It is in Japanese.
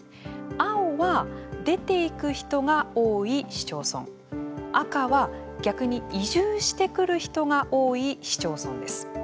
青は出ていく人が多い市町村赤は逆に移住してくる人が多い市町村です。